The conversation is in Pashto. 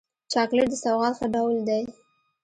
چاکلېټ د سوغات ښه ډول دی.